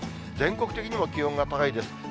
全国的にも気温が高いです。